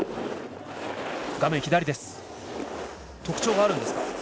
特徴があるんですか？